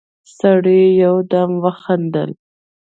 سړي يودم وخندل: